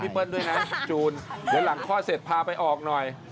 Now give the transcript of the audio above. เปิ้ลด้วยนะจูนเดี๋ยวหลังคลอดเสร็จพาไปออกหน่อย